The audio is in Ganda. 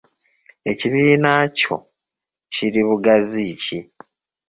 Ekibiina kyo kiri bugazi ki?